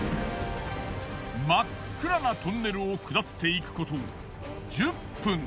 真っ暗なトンネルを下っていくこと１０分。